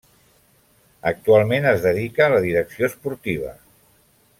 Actualment es dedica a la direcció esportiva.